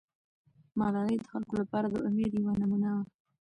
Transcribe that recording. ملالۍ د خلکو لپاره د امید یوه نمونه سوه.